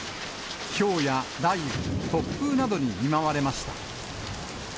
ひょうや雷雨、突風などに見舞われました。